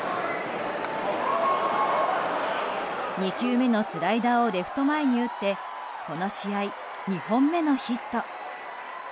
２球目のスライダーをレフト前に打ってこの試合２本目のヒット。